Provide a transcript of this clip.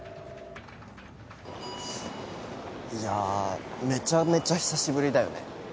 いやめちゃめちゃ久しぶりだよね